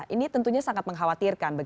ini tentunya sangat mengkhawatirkan